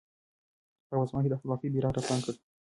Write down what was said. هغه په اصفهان کې د خپلواکۍ بیرغ رپاند کړ.